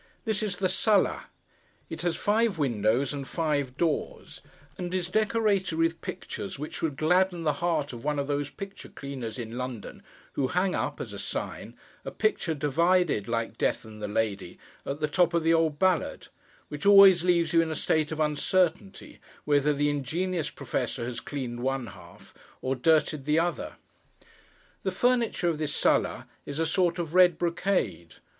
This is the sala. It has five windows and five doors, and is decorated with pictures which would gladden the heart of one of those picture cleaners in London who hang up, as a sign, a picture divided, like death and the lady, at the top of the old ballad: which always leaves you in a state of uncertainty whether the ingenious professor has cleaned one half, or dirtied the other. The furniture of this sala is a sort of red brocade.